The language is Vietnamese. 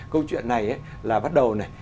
câu chuyện này là bắt đầu này